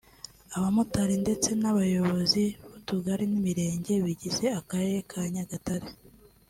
abamotari ndetse n’abayobozi b’Utugari n’Imirenge bigize Akarere ka Nyagatare